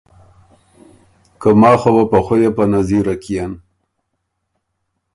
که ماخه وه په خؤیه په نطیره کيېن۔